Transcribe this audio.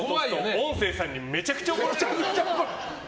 音声さんにめちゃくちゃ怒られるから。